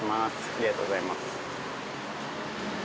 ありがとうございます。